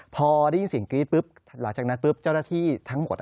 พอได้ยินเสียงกรี๊ดปุ๊บหลังจากนั้นปุ๊บเจ้าหน้าที่ทั้งหมด